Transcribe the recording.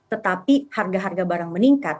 tetapi harga harga barang meningkat